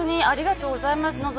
ありがとうございます。